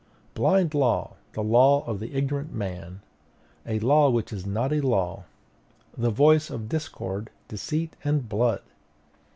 Blind law; the law of the ignorant man; a law which is not a law; the voice of discord, deceit, and blood!